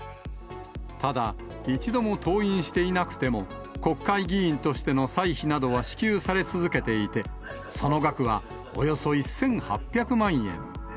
ただ、一度も登院していなくても、国会議員としての歳費などは支給され続けていて、その額はおよそ１８００万円。